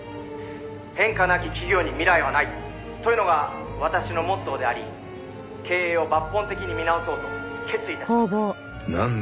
「変化なき企業に未来はないというのが私のモットーであり経営を抜本的に見直そうと決意致しました」なんだ？